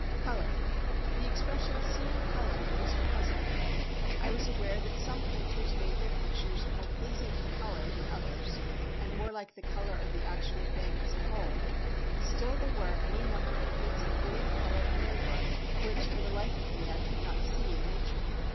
Colour The expression "seeing colour" used to puzzle me. I was aware that some painters made their pictures more pleasing in colour than others and more like the colour of the actual thing as a whole, still there were any number of bits of brilliant colour in their work which for the life of me I could not see in nature.